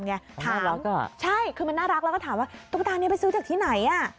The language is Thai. ใช่คือมันน่ารักแล้วก็ถามว่าตุ๊กตานี้ไปซื้อจากที่ไหน